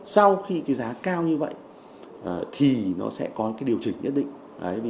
sau khi giá cao như vậy thì nó sẽ có điều chỉnh nhất định